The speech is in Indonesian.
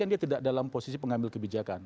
dia tidak dalam posisi pengambil kebijakan